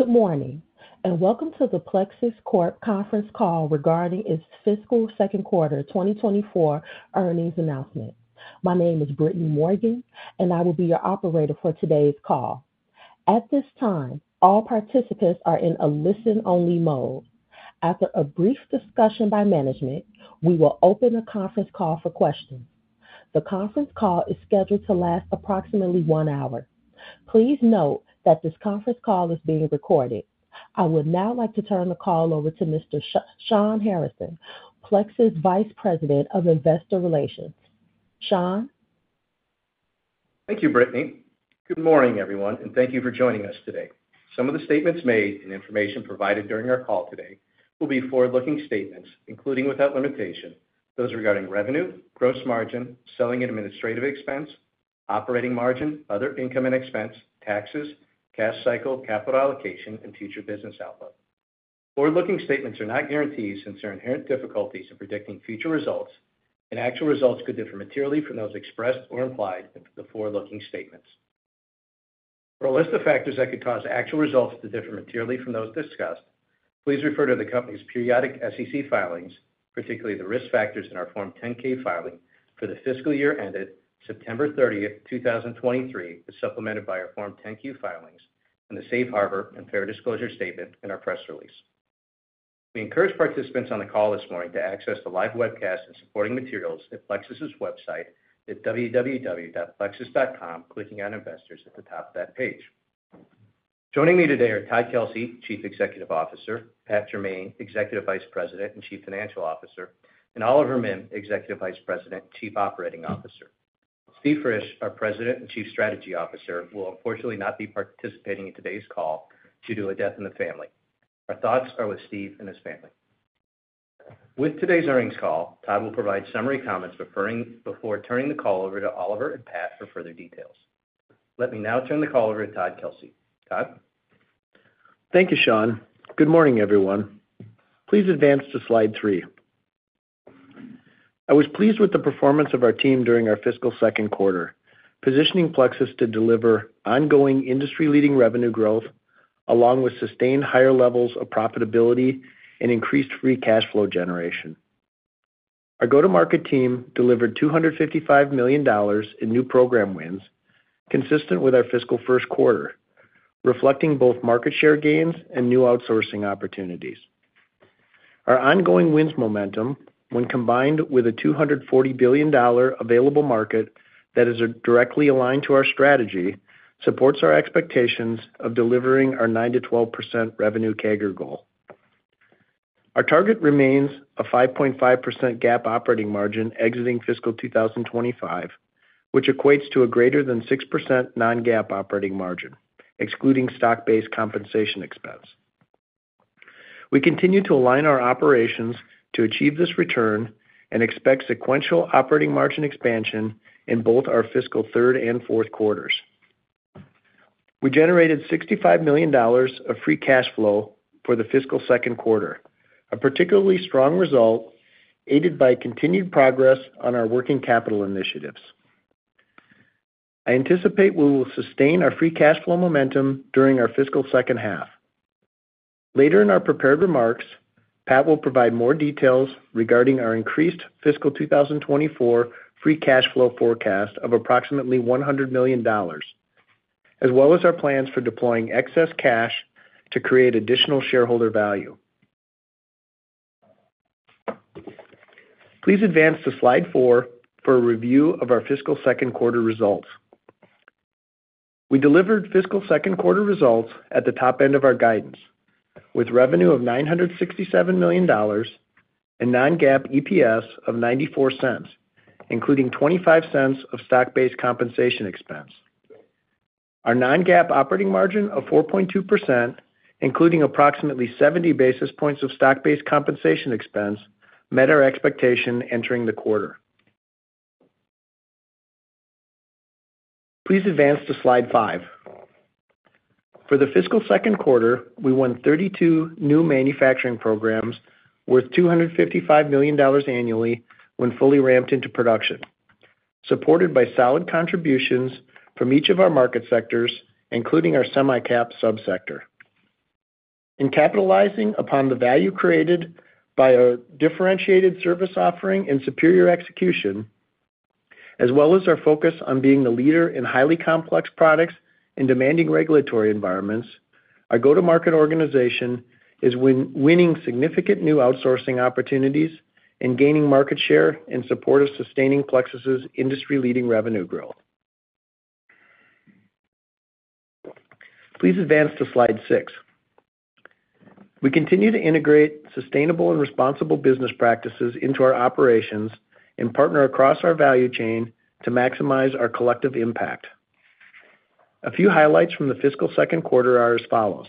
Good morning and welcome to the Plexus Corp conference call regarding its fiscal second quarter 2024 earnings announcement. My name is Brittany Morgan, and I will be your operator for today's call. At this time, all participants are in a listen-only mode. After a brief discussion by management, we will open the conference call for questions. The conference call is scheduled to last approximately one hour. Please note that this conference call is being recorded. I would now like to turn the call over to Mr. Shawn Harrison, Plexus Vice President of Investor Relations. Shawn? Thank you, Brittany. Good morning, everyone, and thank you for joining us today. Some of the statements made and information provided during our call today will be forward-looking statements, including without limitation, those regarding revenue, gross margin, selling and administrative expense, operating margin, other income and expense, taxes, cash cycle, capital allocation, and future business outlook. Forward-looking statements are not guarantees since there are inherent difficulties in predicting future results, and actual results could differ materially from those expressed or implied in the forward-looking statements. For a list of factors that could cause actual results to differ materially from those discussed, please refer to the company's periodic SEC filings, particularly the risk factors in our Form 10-K filing for the fiscal year ended September 30th, 2023, as supplemented by our Form 10-Q filings and the Safe Harbor and Fair Disclosure Statement in our press release. We encourage participants on the call this morning to access the live webcast and supporting materials at Plexus's website at www.plexus.com, clicking on Investors at the top of that page. Joining me today are Todd Kelsey, Chief Executive Officer; Pat Jermain, Executive Vice President and Chief Financial Officer; and Oliver Mihm, Executive Vice President and Chief Operating Officer. Steve Frisch, our President and Chief Strategy Officer, will unfortunately not be participating in today's call due to a death in the family. Our thoughts are with Steve and his family. With today's earnings call, Todd will provide summary comments before turning the call over to Oliver and Pat for further details. Let me now turn the call over to Todd Kelsey. Todd? Thank you, Shawn. Good morning, everyone. Please advance to slide three. I was pleased with the performance of our team during our fiscal second quarter, positioning Plexus to deliver ongoing industry-leading revenue growth along with sustained higher levels of profitability and increased free cash flow generation. Our go-to-market team delivered $255 million in new program wins consistent with our fiscal first quarter, reflecting both market share gains and new outsourcing opportunities. Our ongoing wins momentum, when combined with a $240 billion available market that is directly aligned to our strategy, supports our expectations of delivering our 9%-12% revenue CAGR goal. Our target remains a 5.5% GAAP operating margin exiting fiscal 2025, which equates to a greater than 6% non-GAAP operating margin, excluding stock-based compensation expense. We continue to align our operations to achieve this return and expect sequential operating margin expansion in both our fiscal third and fourth quarters. We generated $65 million of free cash flow for the fiscal second quarter, a particularly strong result aided by continued progress on our working capital initiatives. I anticipate we will sustain our free cash flow momentum during our fiscal second half. Later in our prepared remarks, Pat will provide more details regarding our increased fiscal 2024 free cash flow forecast of approximately $100 million, as well as our plans for deploying excess cash to create additional shareholder value. Please advance to slide four for a review of our fiscal second quarter results. We delivered fiscal second quarter results at the top end of our guidance, with revenue of $967 million and non-GAAP EPS of $0.94, including $0.25 of stock-based compensation expense. Our non-GAAP operating margin of 4.2%, including approximately 70 basis points of stock-based compensation expense, met our expectation entering the quarter. Please advance to slide five. For the fiscal second quarter, we won 32 new manufacturing programs worth $255 million annually when fully ramped into production, supported by solid contributions from each of our market sectors, including our semi-cap subsector. In capitalizing upon the value created by our differentiated service offering and superior execution, as well as our focus on being the leader in highly complex products in demanding regulatory environments, our go-to-market organization is winning significant new outsourcing opportunities and gaining market share in support of sustaining Plexus's industry-leading revenue growth. Please advance to slide six. We continue to integrate sustainable and responsible business practices into our operations and partner across our value chain to maximize our collective impact. A few highlights from the fiscal second quarter are as follows.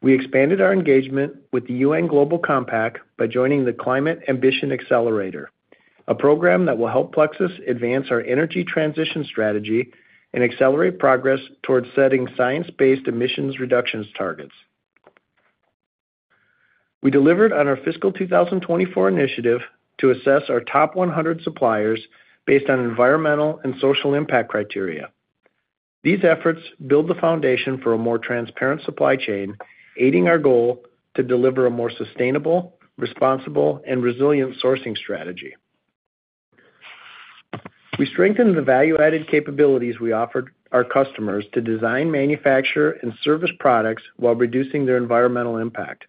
We expanded our engagement with the UN Global Compact by joining the Climate Ambition Accelerator, a program that will help Plexus advance our energy transition strategy and accelerate progress towards setting science-based emissions reductions targets. We delivered on our fiscal 2024 initiative to assess our top 100 suppliers based on environmental and social impact criteria. These efforts build the foundation for a more transparent supply chain, aiding our goal to deliver a more sustainable, responsible, and resilient sourcing strategy. We strengthened the value-added capabilities we offered our customers to design, manufacture, and service products while reducing their environmental impact.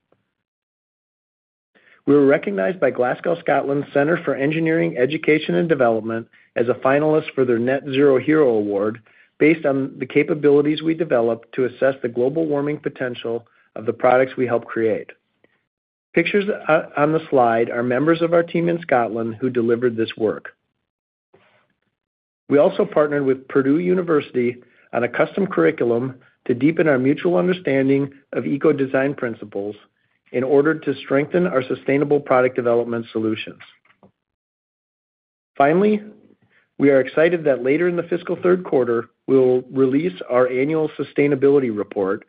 We were recognized by Glasgow, Scotland's Centre for Engineering Education and Development as a finalist for their Net Zero Hero Award based on the capabilities we developed to assess the global warming potential of the products we help create. Pictures on the slide are members of our team in Scotland who delivered this work. We also partnered with Purdue University on a custom curriculum to deepen our mutual understanding of eco-design principles in order to strengthen our sustainable product development solutions. Finally, we are excited that later in the fiscal third quarter, we will release our annual sustainability report,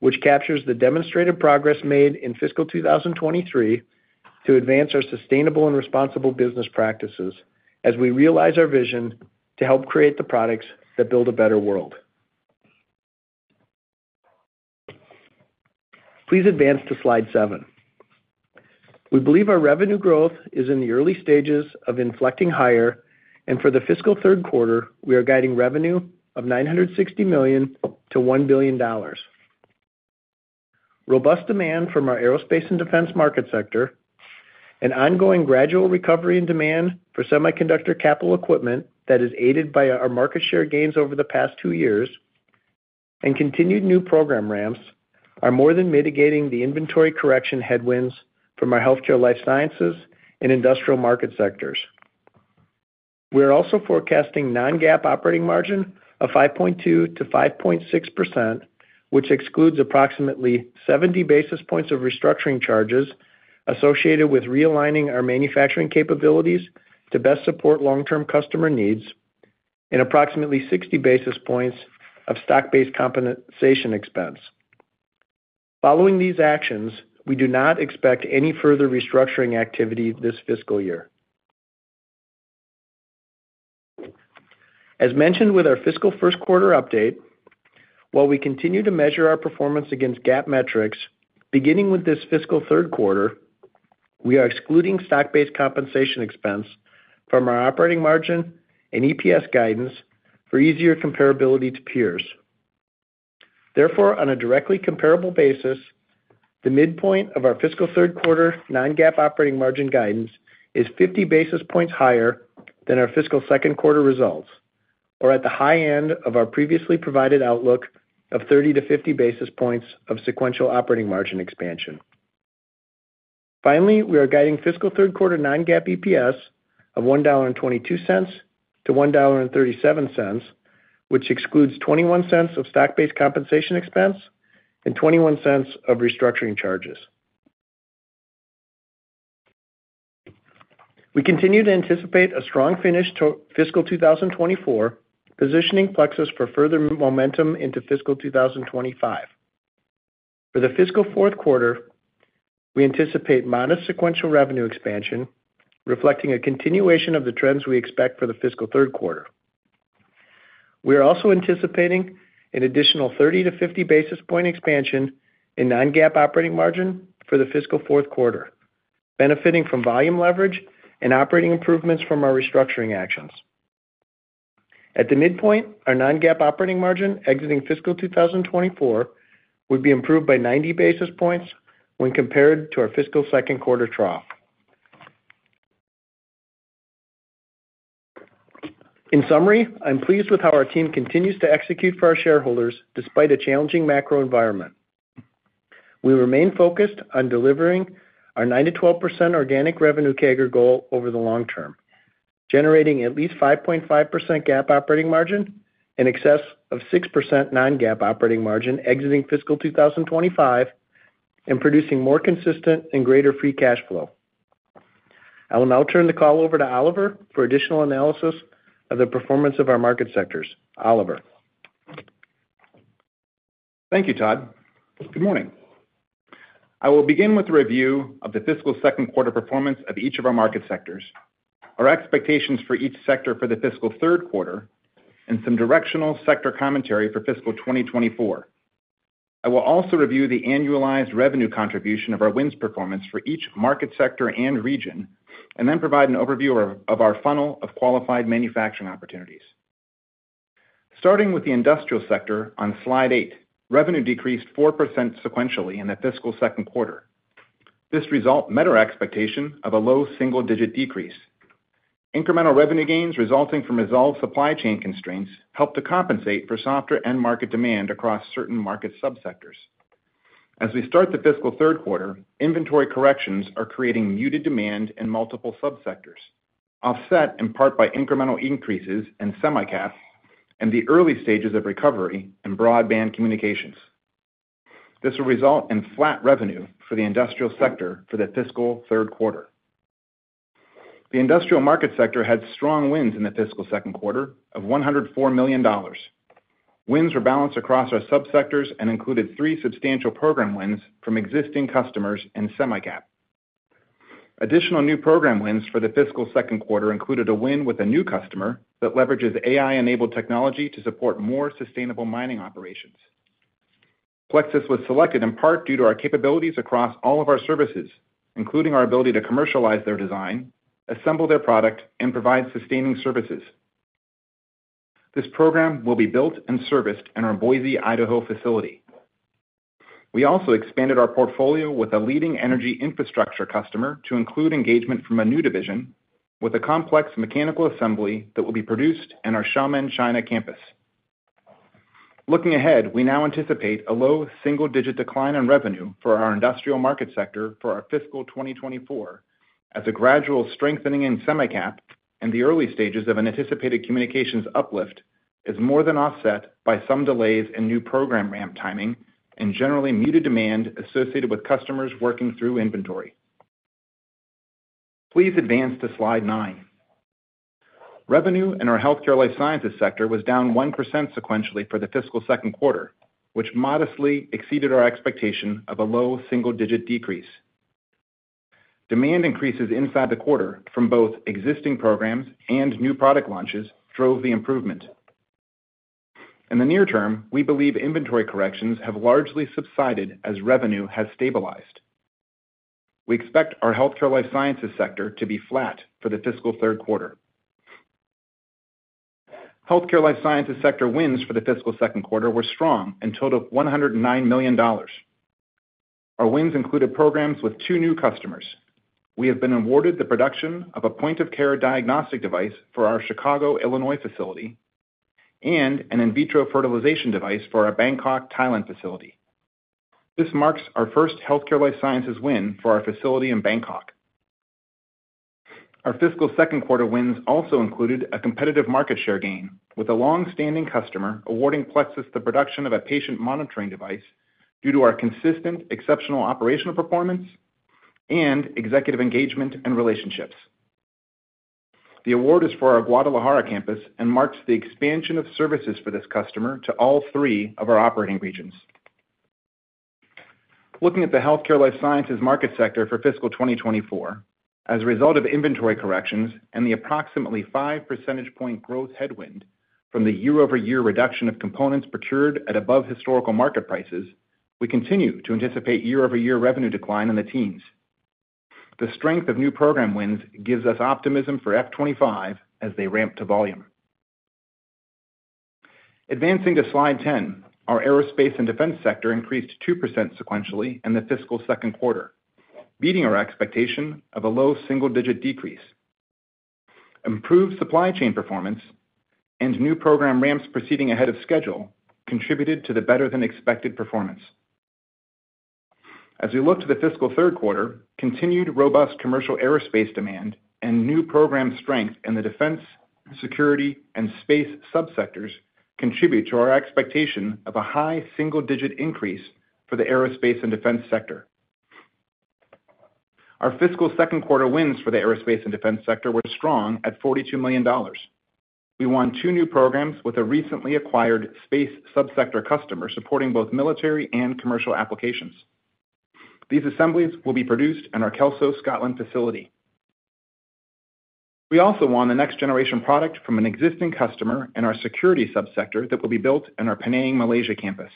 which captures the demonstrated progress made in fiscal 2023 to advance our sustainable and responsible business practices as we realize our vision to help create the products that build a better world. Please advance to slide seven. We believe our revenue growth is in the early stages of inflecting higher, and for the fiscal third quarter, we are guiding revenue of $960 million-$1 billion. Robust demand from our aerospace and defense market sector, an ongoing gradual recovery in demand for semiconductor capital equipment that is aided by our market share gains over the past two years, and continued new program ramps are more than mitigating the inventory correction headwinds from our healthcare life sciences and industrial market sectors. We are also forecasting non-GAAP operating margin of 5.2%-5.6%, which excludes approximately 70 basis points of restructuring charges associated with realigning our manufacturing capabilities to best support long-term customer needs, and approximately 60 basis points of stock-based compensation expense. Following these actions, we do not expect any further restructuring activity this fiscal year. As mentioned with our fiscal first quarter update, while we continue to measure our performance against GAAP metrics beginning with this fiscal third quarter, we are excluding stock-based compensation expense from our operating margin and EPS guidance for easier comparability to peers. Therefore, on a directly comparable basis, the midpoint of our fiscal third quarter non-GAAP operating margin guidance is 50 basis points higher than our fiscal second quarter results, or at the high end of our previously provided outlook of 30 to 50 basis points of sequential operating margin expansion. Finally, we are guiding fiscal third quarter non-GAAP EPS of $1.22-$1.37, which excludes $0.21 of stock-based compensation expense and $0.21 of restructuring charges. We continue to anticipate a strong finish to fiscal 2024, positioning Plexus for further momentum into fiscal 2025. For the fiscal fourth quarter, we anticipate modest sequential revenue expansion, reflecting a continuation of the trends we expect for the fiscal third quarter. We are also anticipating an additional 30-50 basis point expansion in non-GAAP operating margin for the fiscal fourth quarter, benefiting from volume leverage and operating improvements from our restructuring actions. At the midpoint, our non-GAAP operating margin exiting fiscal 2024 would be improved by 90 basis points when compared to our fiscal second quarter trough. In summary, I'm pleased with how our team continues to execute for our shareholders despite a challenging macro environment. We remain focused on delivering our 9%-12% organic revenue CAGR goal over the long term, generating at least 5.5% GAAP operating margin and excess of 6% non-GAAP operating margin exiting fiscal 2025 and producing more consistent and greater free cash flow. I will now turn the call over to Oliver for additional analysis of the performance of our market sectors. Oliver? Thank you, Todd. Good morning. I will begin with a review of the fiscal second quarter performance of each of our market sectors, our expectations for each sector for the fiscal third quarter, and some directional sector commentary for fiscal 2024. I will also review the annualized revenue contribution of our wins performance for each market sector and region, and then provide an overview of our funnel of qualified manufacturing opportunities. Starting with the industrial sector on slide eight, revenue decreased 4% sequentially in the fiscal second quarter. This result met our expectation of a low single-digit decrease. Incremental revenue gains resulting from resolved supply chain constraints helped to compensate for softer end market demand across certain market subsectors. As we start the fiscal third quarter, inventory corrections are creating muted demand in multiple subsectors, offset in part by incremental increases in Semi-cap and the early stages of recovery in broadband communications. This will result in flat revenue for the industrial sector for the fiscal third quarter. The industrial market sector had strong wins in the fiscal second quarter of $104 million. Wins were balanced across our subsectors and included three substantial program wins from existing customers in Semi-cap. Additional new program wins for the fiscal second quarter included a win with a new customer that leverages AI-enabled technology to support more sustainable mining operations. Plexus was selected in part due to our capabilities across all of our services, including our ability to commercialize their design, assemble their product, and provide sustaining services. This program will be built and serviced in our Boise, Idaho facility. We also expanded our portfolio with a leading energy infrastructure customer to include engagement from a new division with a complex mechanical assembly that will be produced in our Xiamen, China campus. Looking ahead, we now anticipate a low single-digit decline in revenue for our industrial market sector for our fiscal 2024 as a gradual strengthening in semi-cap and the early stages of an anticipated communications uplift is more than offset by some delays in new program ramp timing and generally muted demand associated with customers working through inventory. Please advance to slide nine. Revenue in our healthcare life sciences sector was down 1% sequentially for the fiscal second quarter, which modestly exceeded our expectation of a low single-digit decrease. Demand increases inside the quarter from both existing programs and new product launches drove the improvement. In the near term, we believe inventory corrections have largely subsided as revenue has stabilized. We expect our healthcare life sciences sector to be flat for the fiscal third quarter. Healthcare life sciences sector wins for the fiscal second quarter were strong and totaled $109 million. Our wins included programs with two new customers. We have been awarded the production of a point-of-care diagnostic device for our Chicago, Illinois facility and an in vitro fertilization device for our Bangkok, Thailand facility. This marks our first healthcare life sciences win for our facility in Bangkok. Our fiscal second quarter wins also included a competitive market share gain with a longstanding customer awarding Plexus the production of a patient monitoring device due to our consistent exceptional operational performance and executive engagement and relationships. The award is for our Guadalajara campus and marks the expansion of services for this customer to all three of our operating regions. Looking at the healthcare life sciences market sector for fiscal 2024, as a result of inventory corrections and the approximately 5 percentage point growth headwind from the year-over-year reduction of components procured at above-historical market prices, we continue to anticipate year-over-year revenue decline in the teens. The strength of new program wins gives us optimism for F-25 as they ramp to volume. Advancing to slide 10, our aerospace and defense sector increased 2% sequentially in the fiscal second quarter, beating our expectation of a low single-digit decrease. Improved supply chain performance and new program ramps proceeding ahead of schedule contributed to the better-than-expected performance. As we look to the fiscal third quarter, continued robust commercial aerospace demand and new program strength in the defense, security, and space subsectors contribute to our expectation of a high single-digit increase for the aerospace and defense sector. Our fiscal second quarter wins for the aerospace and defense sector were strong at $42 million. We won two new programs with a recently acquired space subsector customer supporting both military and commercial applications. These assemblies will be produced in our Kelso, Scotland facility. We also won the next generation product from an existing customer in our security subsector that will be built in our Penang, Malaysia campus.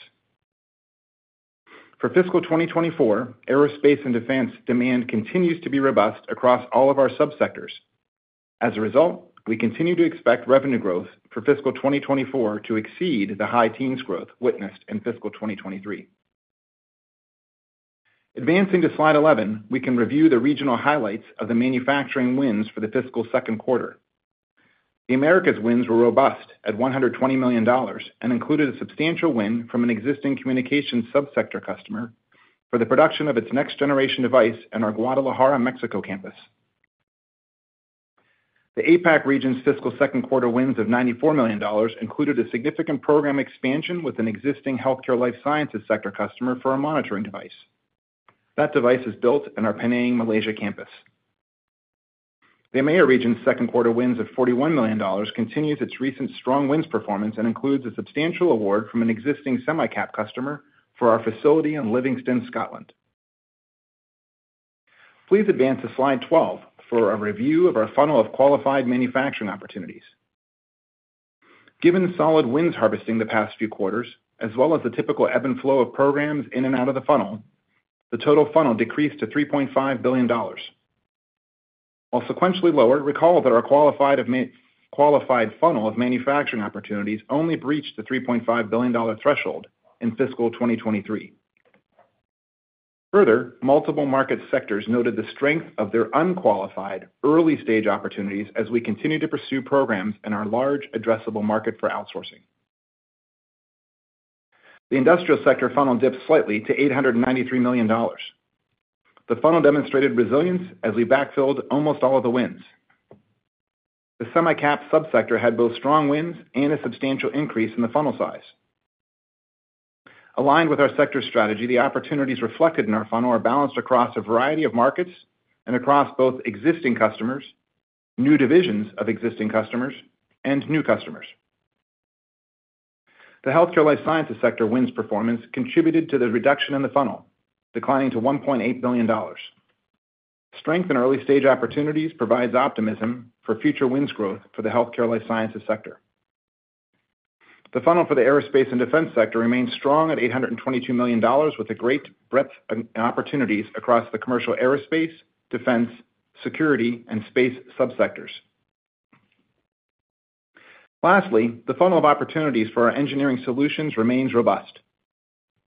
For fiscal 2024, aerospace and defense demand continues to be robust across all of our subsectors. As a result, we continue to expect revenue growth for fiscal 2024 to exceed the high teens growth witnessed in fiscal 2023. Advancing to slide 11, we can review the regional highlights of the manufacturing wins for the fiscal second quarter. The Americas' wins were robust at $120 million and included a substantial win from an existing communications subsector customer for the production of its next generation device in our Guadalajara, Mexico campus. The APAC region's fiscal second quarter wins of $94 million included a significant program expansion with an existing healthcare life sciences sector customer for a monitoring device. That device is built in our Penang, Malaysia campus. The AMEA region's second quarter wins of $41 million continues its recent strong wins performance and includes a substantial award from an existing semi-cap customer for our facility in Livingston, Scotland. Please advance to slide 12 for a review of our funnel of qualified manufacturing opportunities. Given solid wins harvesting the past few quarters, as well as the typical ebb and flow of programs in and out of the funnel, the total funnel decreased to $3.5 billion. While sequentially lower, recall that our qualified funnel of manufacturing opportunities only breached the $3.5 billion threshold in fiscal 2023. Further, multiple market sectors noted the strength of their unqualified early-stage opportunities as we continue to pursue programs in our large addressable market for outsourcing. The industrial sector funnel dipped slightly to $893 million. The funnel demonstrated resilience as we backfilled almost all of the wins. The semi-cap subsector had both strong wins and a substantial increase in the funnel size. Aligned with our sector strategy, the opportunities reflected in our funnel are balanced across a variety of markets and across both existing customers, new divisions of existing customers, and new customers. The healthcare life sciences sector wins performance contributed to the reduction in the funnel, declining to $1.8 billion. Strength in early-stage opportunities provides optimism for future wins growth for the healthcare life sciences sector. The funnel for the aerospace and defense sector remains strong at $822 million with a great breadth in opportunities across the commercial aerospace, defense, security, and space subsectors. Lastly, the funnel of opportunities for our engineering solutions remains robust.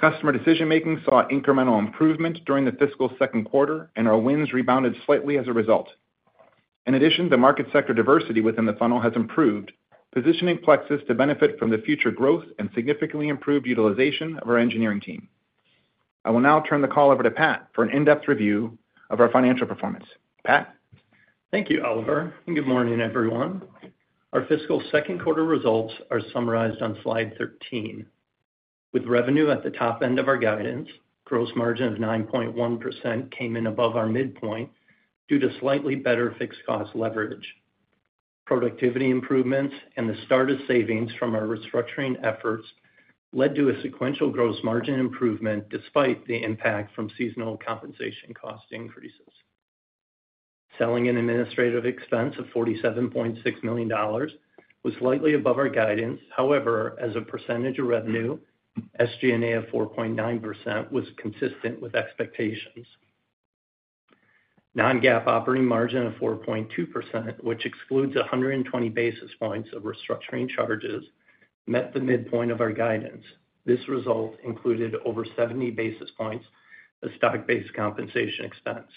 Customer decision-making saw incremental improvement during the fiscal second quarter, and our wins rebounded slightly as a result. In addition, the market sector diversity within the funnel has improved, positioning Plexus to benefit from the future growth and significantly improved utilization of our engineering team. I will now turn the call over to Pat for an in-depth review of our financial performance. Pat? Thank you, Oliver, and good morning, everyone. Our fiscal second quarter results are summarized on slide 13. With revenue at the top end of our guidance, gross margin of 9.1% came in above our midpoint due to slightly better fixed cost leverage. Productivity improvements and the start of savings from our restructuring efforts led to a sequential gross margin improvement despite the impact from seasonal compensation cost increases. Selling and administrative expense of $47.6 million was slightly above our guidance. However, as a percentage of revenue, SG&A of 4.9% was consistent with expectations. Non-GAAP operating margin of 4.2%, which excludes 120 basis points of restructuring charges, met the midpoint of our guidance. This result included over 70 basis points of stock-based compensation expense.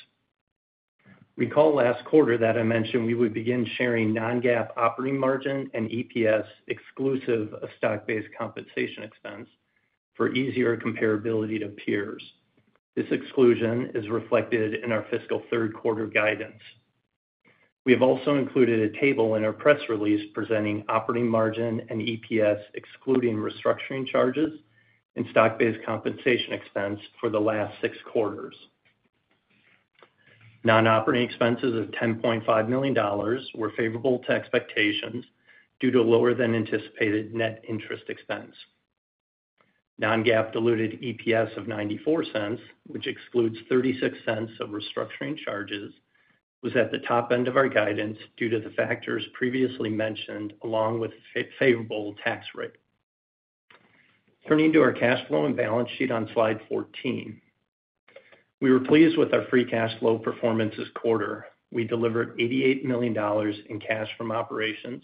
Recall last quarter that I mentioned we would begin sharing non-GAAP operating margin and EPS exclusive of stock-based compensation expense for easier comparability to peers. This exclusion is reflected in our fiscal third quarter guidance. We have also included a table in our press release presenting operating margin and EPS excluding restructuring charges and stock-based compensation expense for the last six quarters. Non-operating expenses of $10.5 million were favorable to expectations due to lower-than-anticipated net interest expense. Non-GAAP diluted EPS of $0.94, which excludes $0.36 of restructuring charges, was at the top end of our guidance due to the factors previously mentioned along with a favorable tax rate. Turning to our cash flow and balance sheet on slide 14, we were pleased with our free cash flow performance this quarter. We delivered $88 million in cash from operations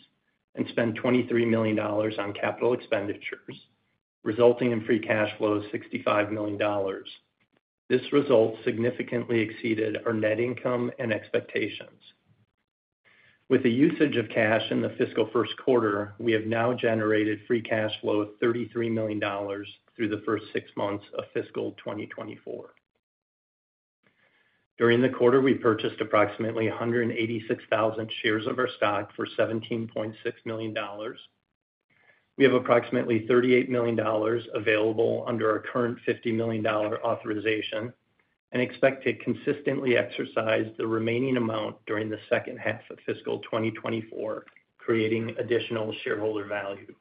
and spent $23 million on capital expenditures, resulting in free cash flow of $65 million. This result significantly exceeded our net income and expectations. With the usage of cash in the fiscal first quarter, we have now generated free cash flow of $33 million through the first six months of fiscal 2024. During the quarter, we purchased approximately 186,000 shares of our stock for $17.6 million. We have approximately $38 million available under our current $50 million authorization and expect to consistently exercise the remaining amount during the second half of fiscal 2024, creating additional shareholder value.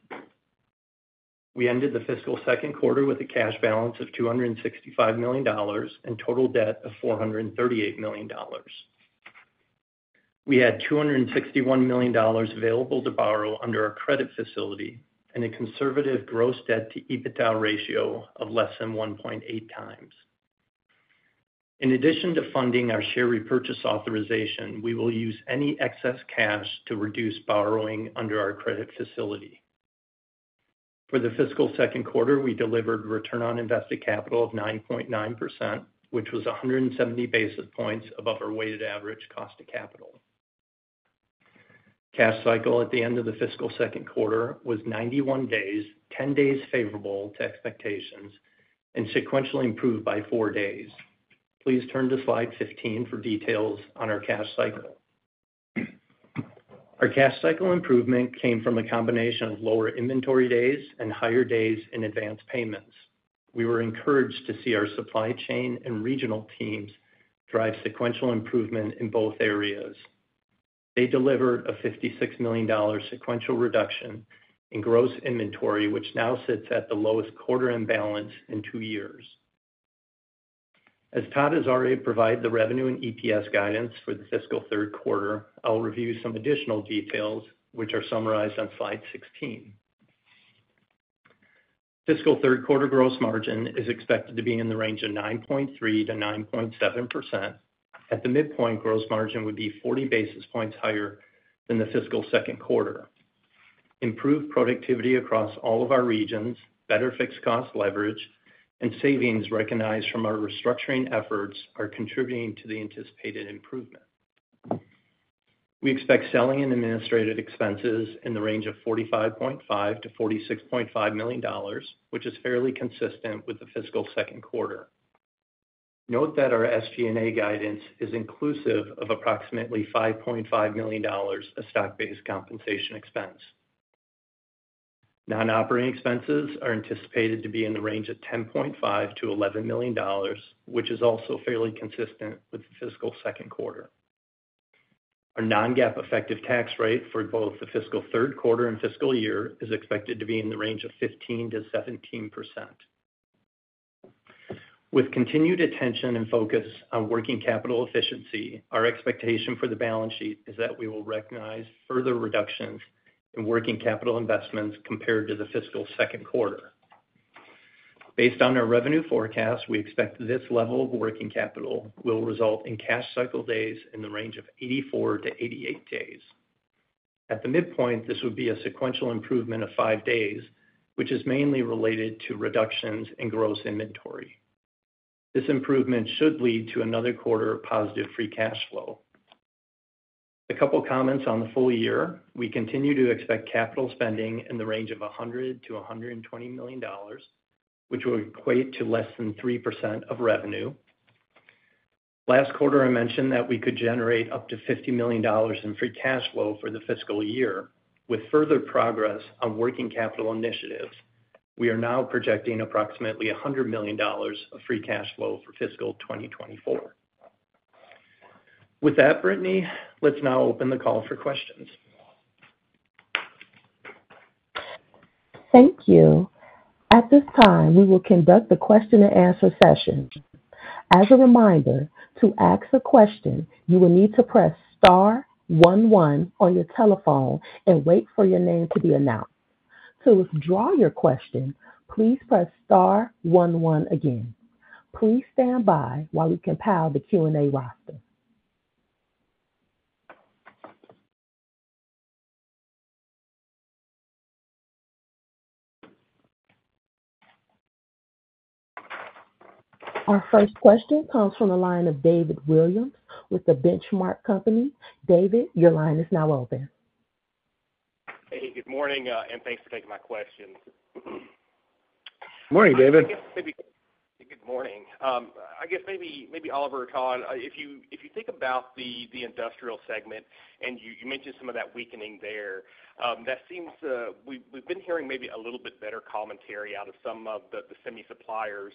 We ended the fiscal second quarter with a cash balance of $265 million and total debt of $438 million. We had $261 million available to borrow under our credit facility and a conservative gross debt-to-EBITDA ratio of less than 1.8 times. In addition to funding our share repurchase authorization, we will use any excess cash to reduce borrowing under our credit facility. For the fiscal second quarter, we delivered return on invested capital of 9.9%, which was 170 basis points above our weighted average cost of capital. Cash cycle at the end of the fiscal second quarter was 91 days, 10 days favorable to expectations, and sequentially improved by four days. Please turn to slide 15 for details on our cash cycle. Our cash cycle improvement came from a combination of lower inventory days and higher days in advance payments. We were encouraged to see our supply chain and regional teams drive sequential improvement in both areas. They delivered a $56 million sequential reduction in gross inventory, which now sits at the lowest quarter-end balance in two years. As Todd Kelsey provides the revenue and EPS guidance for the fiscal third quarter, I'll review some additional details, which are summarized on slide 16. Fiscal third quarter gross margin is expected to be in the range of 9.3%-9.7%. At the midpoint, gross margin would be 40 basis points higher than the fiscal second quarter. Improved productivity across all of our regions, better fixed cost leverage, and savings recognized from our restructuring efforts are contributing to the anticipated improvement. We expect selling and administrative expenses in the range of $45.5-$46.5 million, which is fairly consistent with the fiscal second quarter. Note that our SG&A guidance is inclusive of approximately $5.5 million of stock-based compensation expense. Non-operating expenses are anticipated to be in the range of $10.5-$11 million, which is also fairly consistent with the fiscal second quarter. Our non-GAAP effective tax rate for both the fiscal third quarter and fiscal year is expected to be in the range of 15%-17%. With continued attention and focus on working capital efficiency, our expectation for the balance sheet is that we will recognize further reductions in working capital investments compared to the fiscal second quarter. Based on our revenue forecast, we expect this level of working capital will result in cash cycle days in the range of 84-88 days. At the midpoint, this would be a sequential improvement of five days, which is mainly related to reductions in gross inventory. This improvement should lead to another quarter of positive free cash flow. A couple of comments on the full year. We continue to expect capital spending in the range of $100-$120 million, which will equate to less than 3% of revenue. Last quarter, I mentioned that we could generate up to $50 million in free cash flow for the fiscal year. With further progress on working capital initiatives, we are now projecting approximately $100 million of Free Cash Flow for fiscal 2024. With that, Brittany, let's now open the call for questions. Thank you. At this time, we will conduct the question-and-answer session. As a reminder, to ask a question, you will need to press star one one on your telephone and wait for your name to be announced. To withdraw your question, please press star one one again. Please stand by while we compile the Q&A roster. Our first question comes from the line of David Williams with the Benchmark Company. David, your line is now open. Hey, good morning, and thanks for taking my questions. Morning, David. I guess maybe good morning. I guess maybe Oliver Mihm, if you think about the industrial segment, and you mentioned some of that weakening there, that seems we've been hearing maybe a little bit better commentary out of some of the semi-suppliers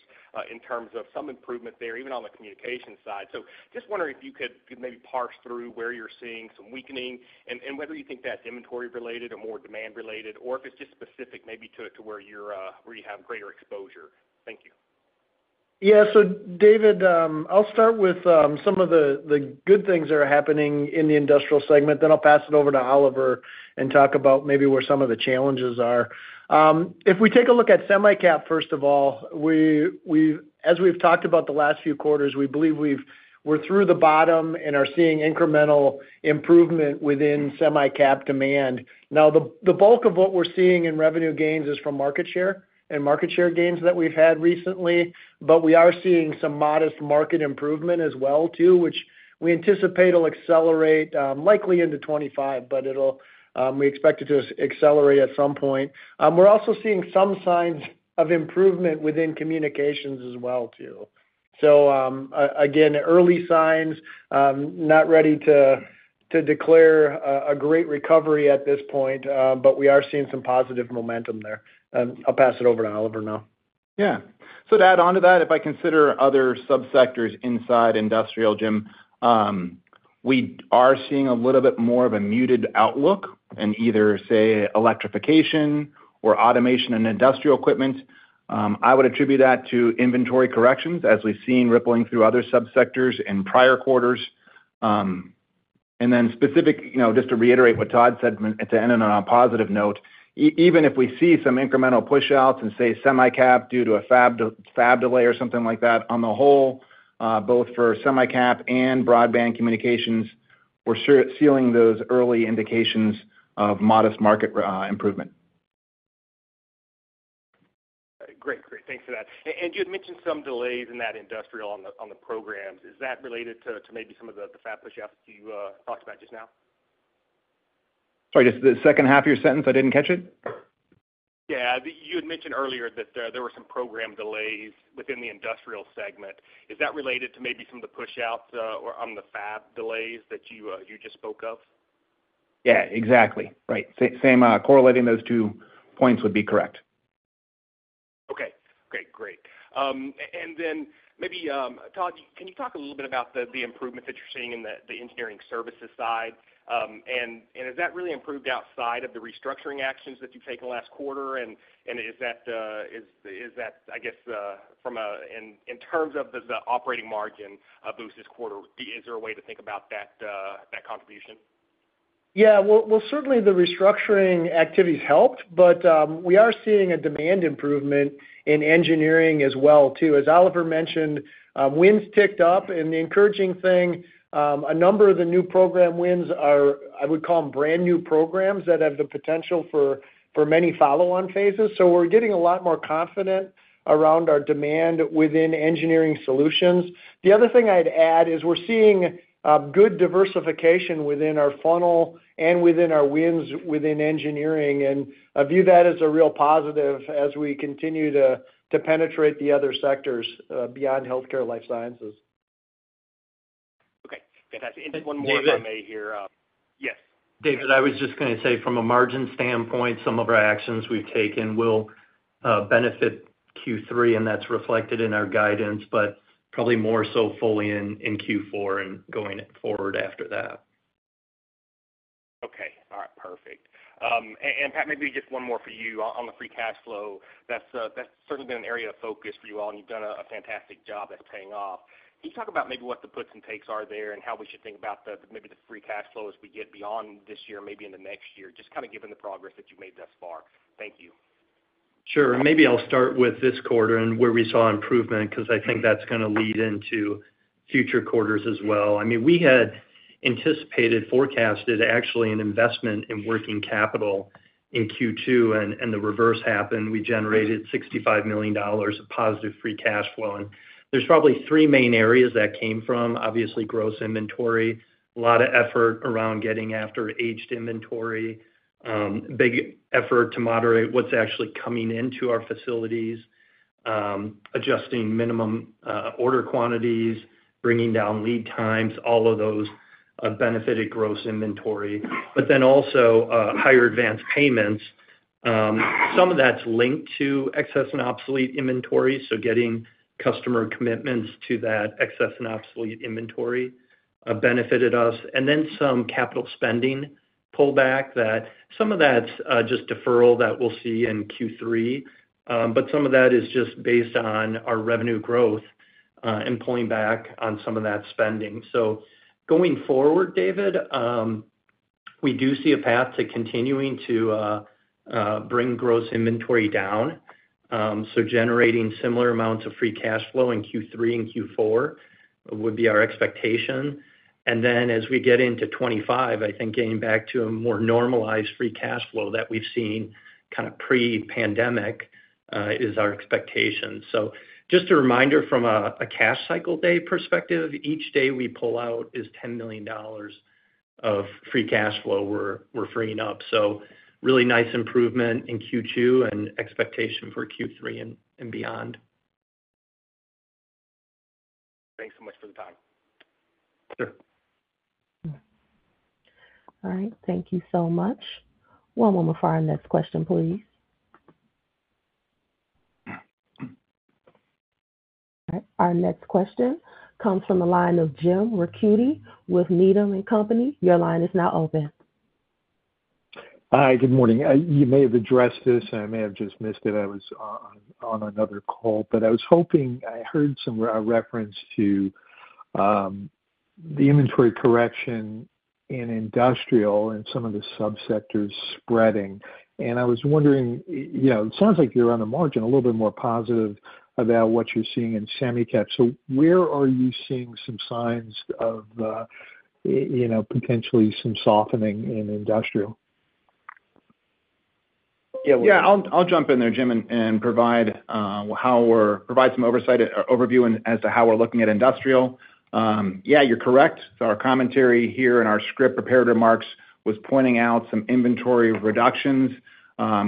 in terms of some improvement there, even on the communication side. So just wondering if you could maybe parse through where you're seeing some weakening and whether you think that's inventory-related or more demand-related, or if it's just specific maybe to where you have greater exposure? Thank you. Yeah. So, David, I'll start with some of the good things that are happening in the industrial segment. Then I'll pass it over to Oliver and talk about maybe where some of the challenges are. If we take a look at Semi-cap, first of all, as we've talked about the last few quarters, we believe we're through the bottom and are seeing incremental improvement within Semi-cap demand. Now, the bulk of what we're seeing in revenue gains is from market share and market share gains that we've had recently, but we are seeing some modest market improvement as well too, which we anticipate will accelerate likely into 2025, but we expect it to accelerate at some point. We're also seeing some signs of improvement within communications as well too. So, again, early signs, not ready to declare a great recovery at this point, but we are seeing some positive momentum there. I'll pass it over to Oliver now. Yeah. So to add on to that, if I consider other subsectors inside industrial, Jim, we are seeing a little bit more of a muted outlook in either, say, electrification or automation and industrial equipment. I would attribute that to inventory corrections as we've seen rippling through other subsectors in prior quarters. And then specific, just to reiterate what Todd said to end on a positive note, even if we see some incremental push-outs in, say, semi-cap due to a fab delay or something like that, on the whole, both for semi-cap and broadband communications, we're seeing those early indications of modest market improvement. Great. Great. Thanks for that. And you had mentioned some delays in that industrial on the programs. Is that related to maybe some of the fab push-outs that you talked about just now? Sorry, just the second half of your sentence? I didn't catch it. Yeah. You had mentioned earlier that there were some program delays within the industrial segment. Is that related to maybe some of the push-outs on the fab delays that you just spoke of? Yeah, exactly. Right. Correlating those two points would be correct. Okay. Okay. Great. And then maybe, Todd, can you talk a little bit about the improvements that you're seeing in the engineering services side? And has that really improved outside of the restructuring actions that you've taken last quarter? And is that, I guess, in terms of the operating margin boost this quarter, is there a way to think about that contribution? Yeah. Well, certainly, the restructuring activities helped, but we are seeing a demand improvement in engineering as well too. As Oliver mentioned, wins ticked up. And the encouraging thing, a number of the new program wins are, I would call them, brand new programs that have the potential for many follow-on phases. So we're getting a lot more confident around our demand within engineering solutions. The other thing I'd add is we're seeing good diversification within our funnel and within our wins within engineering. And I view that as a real positive as we continue to penetrate the other sectors beyond healthcare, life sciences. Okay. Fantastic. And just one more if I may here. David? Yes. David, I was just going to say, from a margin standpoint, some of our actions we've taken will benefit Q3, and that's reflected in our guidance, but probably more so fully in Q4 and going forward after that. Okay. All right. Perfect. And Pat, maybe just one more for you on the free cash flow. That's certainly been an area of focus for you all, and you've done a fantastic job. That's paying off. Can you talk about maybe what the puts and takes are there and how we should think about maybe the free cash flow as we get beyond this year, maybe in the next year, just kind of given the progress that you've made thus far? Thank you. Sure. Maybe I'll start with this quarter and where we saw improvement because I think that's going to lead into future quarters as well. I mean, we had anticipated, forecasted, actually, an investment in working capital in Q2, and the reverse happened. We generated $65 million of positive free cash flow. There's probably three main areas that came from: obviously, gross inventory, a lot of effort around getting after aged inventory, big effort to moderate what's actually coming into our facilities, adjusting minimum order quantities, bringing down lead times, all of those benefited gross inventory, but then also higher advance payments. Some of that's linked to excess and obsolete inventory, so getting customer commitments to that excess and obsolete inventory benefited us. Then some capital spending pullback. Some of that's just deferral that we'll see in Q3, but some of that is just based on our revenue growth and pulling back on some of that spending. So going forward, David, we do see a path to continuing to bring gross inventory down. So generating similar amounts of free cash flow in Q3 and Q4 would be our expectation. And then as we get into 2025, I think getting back to a more normalized free cash flow that we've seen kind of pre-pandemic is our expectation. So just a reminder from a cash cycle day perspective, each day we pull out is $10 million of free cash flow we're freeing up. So really nice improvement in Q2 and expectation for Q3 and beyond. Thanks so much for the time. Sure. All right. Thank you so much. One moment for our next question, please. All right. Our next question comes from the line of James Ricchiuti with Needham & Company. Your line is now open. Hi. Good morning. You may have addressed this. I may have just missed it. I was on another call. I heard some reference to the inventory correction in industrial and some of the subsectors spreading. I was wondering, it sounds like you're on the margin, a little bit more positive about what you're seeing in semi-cap. Where are you seeing some signs of potentially some softening in industrial? Yeah. I'll jump in there, Jim, and provide some overview as to how we're looking at industrial. Yeah, you're correct. So our commentary here in our script prepared remarks was pointing out some inventory reductions,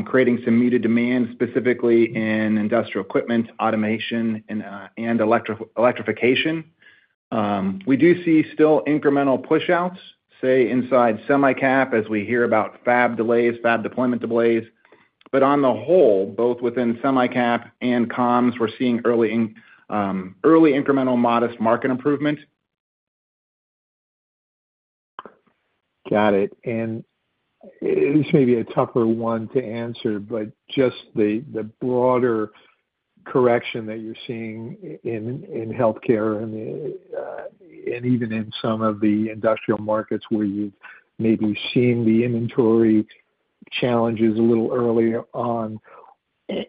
creating some muted demand specifically in industrial equipment, automation, and electrification. We do see still incremental push-outs, say, inside semi-cap as we hear about fab delays, fab deployment delays. But on the whole, both within semi-cap and comms, we're seeing early incremental modest market improvement. Got it. This may be a tougher one to answer, but just the broader correction that you're seeing in healthcare and even in some of the industrial markets where you've maybe seen the inventory challenges a little earlier on,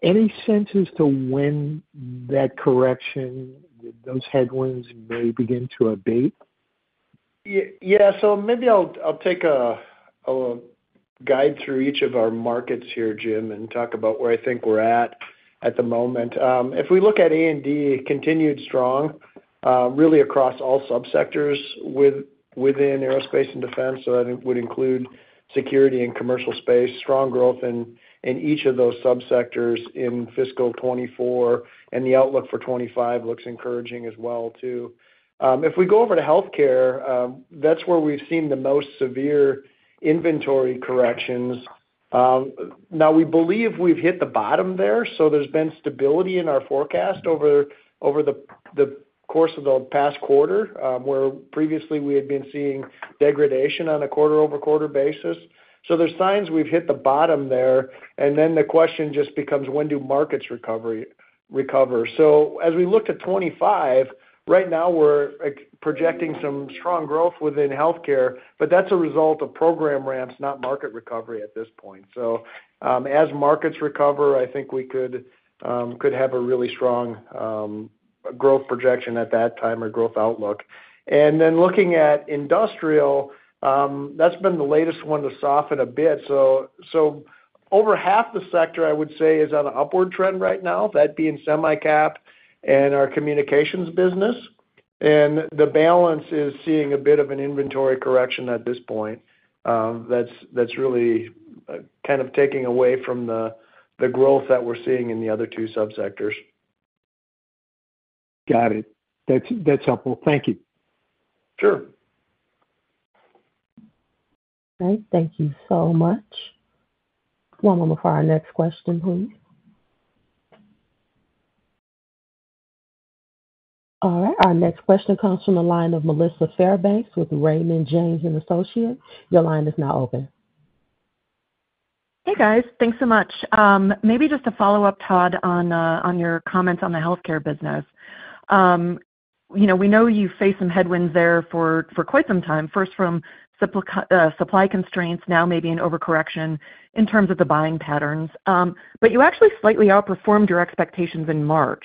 any sense as to when that correction, those headwinds, may begin to abate? Yeah. So maybe I'll take a guide through each of our markets here, Jim, and talk about where I think we're at at the moment. If we look at A&D, continued strong really across all subsectors within aerospace and defense. So that would include security and commercial space, strong growth in each of those subsectors in fiscal 2024. And the outlook for 2025 looks encouraging as well too. If we go over to healthcare, that's where we've seen the most severe inventory corrections. Now, we believe we've hit the bottom there, so there's been stability in our forecast over the course of the past quarter where previously, we had been seeing degradation on a quarter-over-quarter basis. So there's signs we've hit the bottom there. And then the question just becomes, when do markets recover? So as we looked at 2025, right now, we're projecting some strong growth within healthcare, but that's a result of program ramps, not market recovery at this point. So as markets recover, I think we could have a really strong growth projection at that time or growth outlook. And then looking at industrial, that's been the latest one to soften a bit. So over half the sector, I would say, is on an upward trend right now, that being semi-cap and our communications business. And the balance is seeing a bit of an inventory correction at this point that's really kind of taking away from the growth that we're seeing in the other two subsectors. Got it. That's helpful. Thank you. Sure. All right. Thank you so much. One moment for our next question, please. All right. Our next question comes from the line of Melissa Fairbanks with Raymond James & Associates. Your line is now open. Hey, guys. Thanks so much. Maybe just to follow up, Todd, on your comments on the healthcare business. We know you've faced some headwinds there for quite some time, first from supply constraints, now maybe an overcorrection in terms of the buying patterns. But you actually slightly outperformed your expectations in March.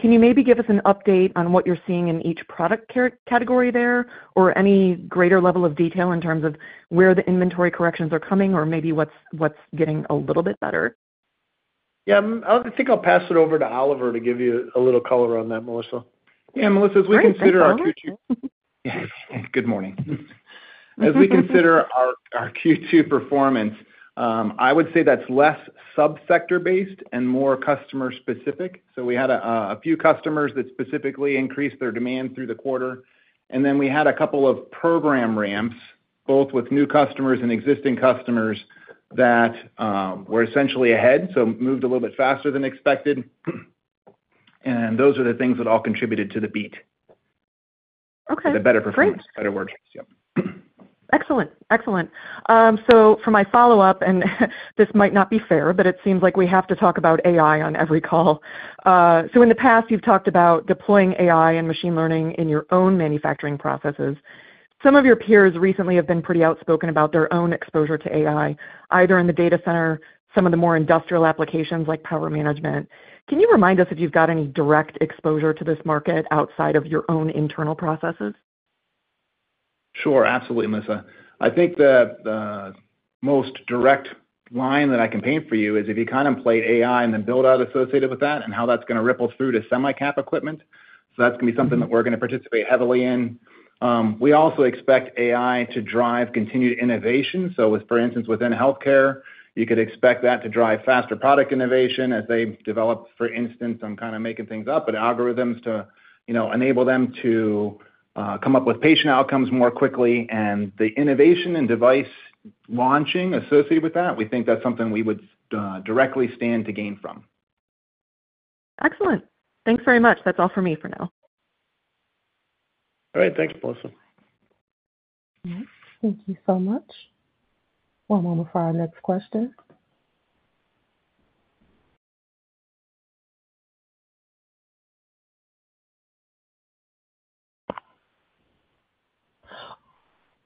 Can you maybe give us an update on what you're seeing in each product category there or any greater level of detail in terms of where the inventory corrections are coming or maybe what's getting a little bit better? Yeah. I think I'll pass it over to Oliver to give you a little color on that, Melissa. Yeah. Melissa, as we consider our Q2. Thanks, everyone. Yeah. Good morning. As we consider our Q2 performance, I would say that's less subsector-based and more customer-specific. So we had a few customers that specifically increased their demand through the quarter. And then we had a couple of program ramps, both with new customers and existing customers, that were essentially ahead, so moved a little bit faster than expected. And those are the things that all contributed to the beat, the better performance, better work. Yep. Excellent. Excellent. So for my follow-up, and this might not be fair, but it seems like we have to talk about AI on every call. So in the past, you've talked about deploying AI and machine learning in your own manufacturing processes. Some of your peers recently have been pretty outspoken about their own exposure to AI, either in the data center, some of the more industrial applications like power management. Can you remind us if you've got any direct exposure to this market outside of your own internal processes? Sure. Absolutely, Melissa. I think the most direct line that I can paint for you is if you contemplate AI and then build out associated with that and how that's going to ripple through to semi-cap equipment. So that's going to be something that we're going to participate heavily in. We also expect AI to drive continued innovation. So for instance, within healthcare, you could expect that to drive faster product innovation as they develop, for instance, I'm kind of making things up, but algorithms to enable them to come up with patient outcomes more quickly. And the innovation and device launching associated with that, we think that's something we would directly stand to gain from. Excellent. Thanks very much. That's all for me for now. All right. Thanks, Melissa. All right. Thank you so much. One moment for our next question.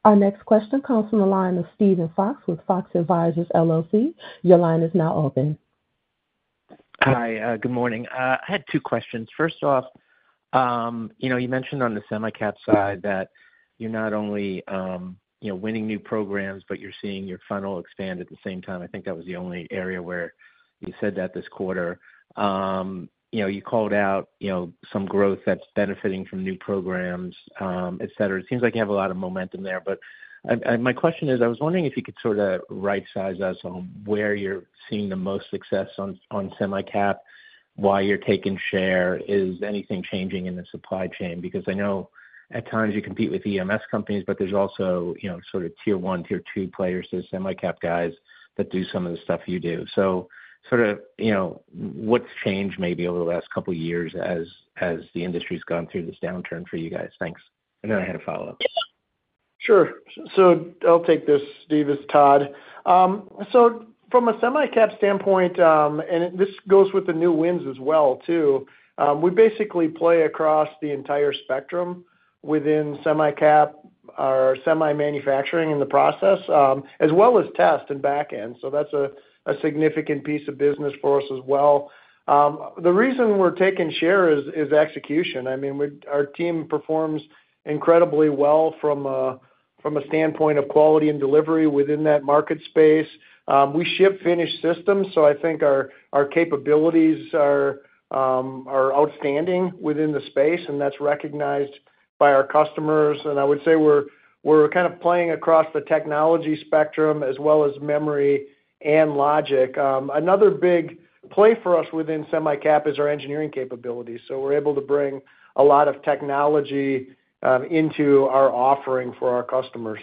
Our next question comes from the line of Steven Fox with Fox Advisors, LLC. Your line is now open. Hi. Good morning. I had two questions. First off, you mentioned on the semi-cap side that you're not only winning new programs, but you're seeing your funnel expand at the same time. I think that was the only area where you said that this quarter. You called out some growth that's benefiting from new programs, etc. It seems like you have a lot of momentum there. But my question is, I was wondering if you could sort of right-size us on where you're seeing the most success on semi-cap, why you're taking share. Is anything changing in the supply chain? Because I know at times, you compete with EMS companies, but there's also sort of tier-one, tier-two players, those semi-cap guys that do some of the stuff you do. So sort of what's changed maybe over the last couple of years as the industry's gone through this downturn for you guys? Thanks. I know I had a follow-up. Sure. So I'll take this, Steve, this, Todd. So from a semi-cap standpoint, and this goes with the new wins as well too, we basically play across the entire spectrum within semi-cap, our semi-manufacturing in the process, as well as test and backend. So that's a significant piece of business for us as well. The reason we're taking share is execution. I mean, our team performs incredibly well from a standpoint of quality and delivery within that market space. We ship finished systems, so I think our capabilities are outstanding within the space, and that's recognized by our customers. And I would say we're kind of playing across the technology spectrum as well as memory and logic. Another big play for us within semi-cap is our engineering capabilities. So we're able to bring a lot of technology into our offering for our customers.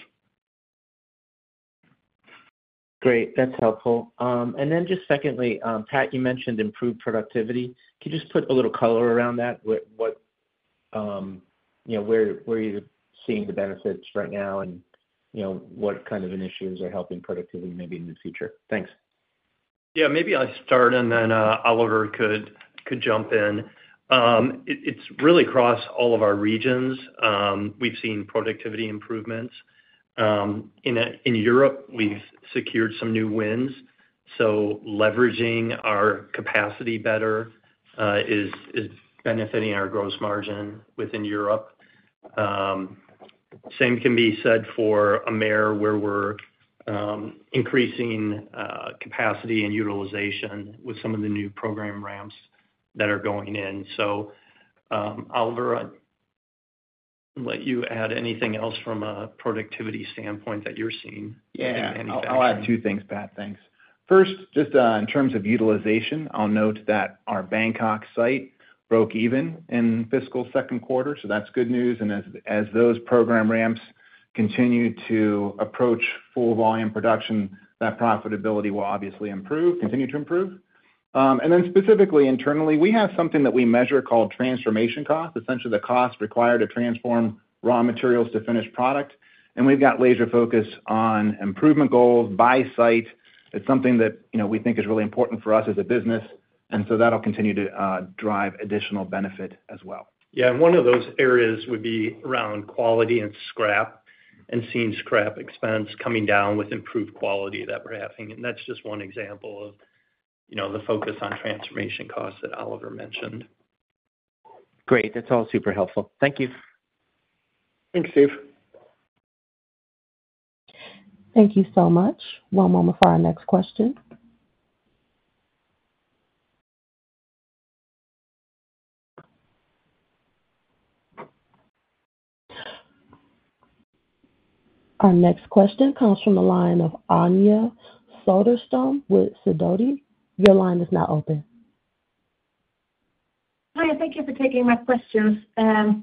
Great. That's helpful. Then just secondly, Pat, you mentioned improved productivity. Can you just put a little color around that, where you're seeing the benefits right now and what kind of initiatives are helping productivity maybe in the future? Thanks. Yeah. Maybe I'll start, and then Oliver could jump in. It's really across all of our regions. We've seen productivity improvements. In Europe, we've secured some new wins. So leveraging our capacity better is benefiting our gross margin within Europe. Same can be said for Americas, where we're increasing capacity and utilization with some of the new program ramps that are going in. So Oliver, I'll let you add anything else from a productivity standpoint that you're seeing in manufacturing. Yeah. I'll add two things, Pat. Thanks. First, just in terms of utilization, I'll note that our Bangkok site broke even in fiscal second quarter. So that's good news. And as those program ramps continue to approach full-volume production, that profitability will obviously improve, continue to improve. And then specifically, internally, we have something that we measure called transformation cost, essentially the cost required to transform raw materials to finished product. And we've got laser focus on improvement goals by site. It's something that we think is really important for us as a business. And so that'll continue to drive additional benefit as well. Yeah. One of those areas would be around quality and scrap and seeing scrap expense coming down with improved quality that we're having. That's just one example of the focus on transformation costs that Oliver mentioned. Great. That's all super helpful. Thank you. Thanks, Steve. Thank you so much. One moment for our next question. Our next question comes from the line of Anja Soderstrom with Sidoti. Your line is now open. Hi. Thank you for taking my questions. I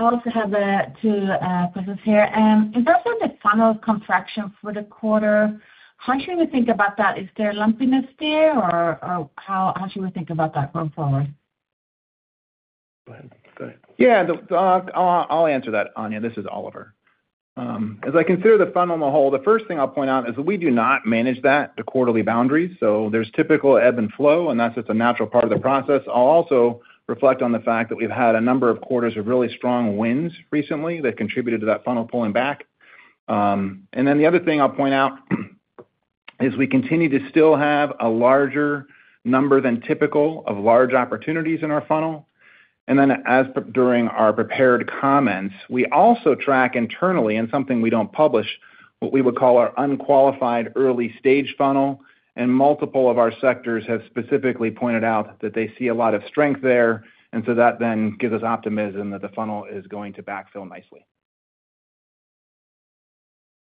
also have two questions here. In terms of the funnel contraction for the quarter, how should we think about that? Is there a lumpiness there, or how should we think about that going forward? Go ahead. Go ahead. Yeah. I'll answer that, Anja. This is Oliver. As I consider the funnel on the whole, the first thing I'll point out is that we do not manage that to quarterly boundaries. So there's typical ebb and flow, and that's just a natural part of the process. I'll also reflect on the fact that we've had a number of quarters of really strong wins recently that contributed to that funnel pulling back. And then the other thing I'll point out is we continue to still have a larger number than typical of large opportunities in our funnel. And then during our prepared comments, we also track internally in something we don't publish what we would call our unqualified early-stage funnel. And multiple of our sectors have specifically pointed out that they see a lot of strength there. So that then gives us optimism that the funnel is going to backfill nicely.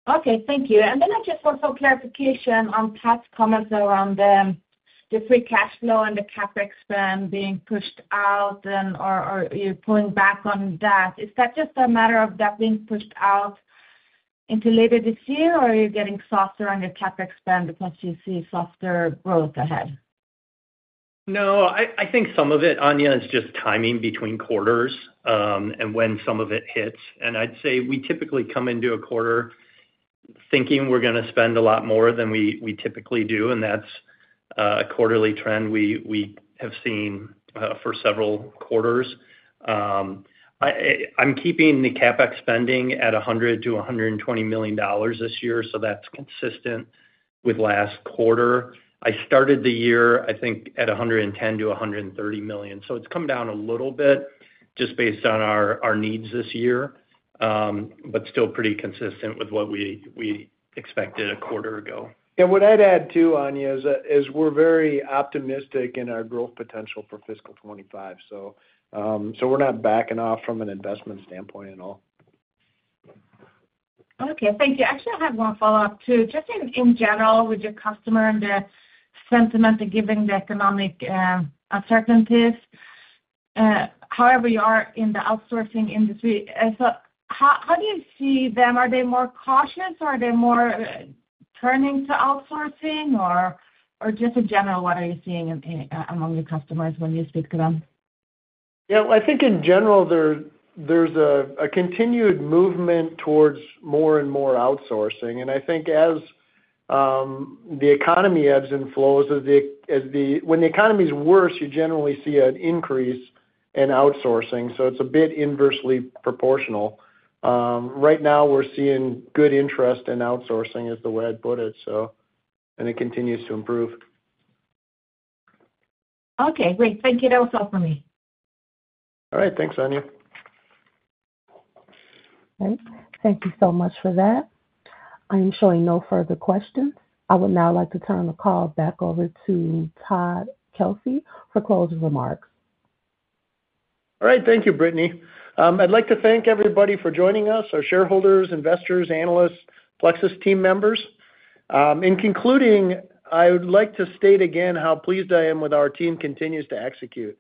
Okay. Thank you. Then I just want some clarification on Pat's comments around the free cash flow and the CapEx being pushed out or you're pulling back on that. Is that just a matter of that being pushed out into later this year, or are you getting softer on your CapEx because you see softer growth ahead? No. I think some of it, Anja, is just timing between quarters and when some of it hits. And I'd say we typically come into a quarter thinking we're going to spend a lot more than we typically do. And that's a quarterly trend we have seen for several quarters. I'm keeping the CapEx spending at $100 million-$120 million this year. So that's consistent with last quarter. I started the year, I think, at $110 million-$130 million. So it's come down a little bit just based on our needs this year, but still pretty consistent with what we expected a quarter ago. Yeah. What I'd add too, Anja, is we're very optimistic in our growth potential for fiscal 2025. So we're not backing off from an investment standpoint at all. Okay. Thank you. Actually, I had one follow-up too. Just in general with your customer and the sentiment given the economic uncertainties, however you are in the outsourcing industry, how do you see them? Are they more cautious, or are they more turning to outsourcing, or just in general, what are you seeing among your customers when you speak to them? Yeah. I think in general, there's a continued movement towards more and more outsourcing. I think as the economy ebbs and flows, when the economy's worse, you generally see an increase in outsourcing. It's a bit inversely proportional. Right now, we're seeing good interest in outsourcing, is the way I'd put it, so. It continues to improve. Okay. Great. Thank you. That was all from me. All right. Thanks, Anja. All right. Thank you so much for that. I'm showing no further questions. I would now like to turn the call back over to Todd Kelsey for closing remarks. All right. Thank you, Brittany. I'd like to thank everybody for joining us, our shareholders, investors, analysts, Plexus team members. In concluding, I would like to state again how pleased I am with our team continues to execute.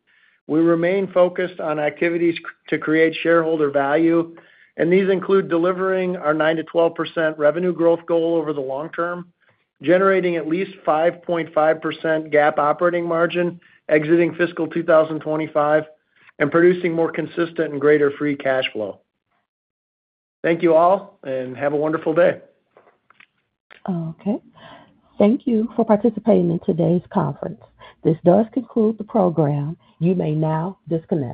We remain focused on activities to create shareholder value. These include delivering our 9%-12% revenue growth goal over the long term, generating at least 5.5% GAAP operating margin, exiting fiscal 2025, and producing more consistent and greater free cash flow. Thank you all, and have a wonderful day. Okay. Thank you for participating in today's conference. This does conclude the program. You may now disconnect.